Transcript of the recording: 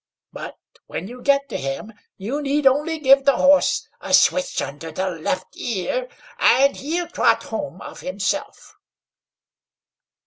But when you get to him, you need only give the horse a switch under the left ear, and he'll trot home of himself."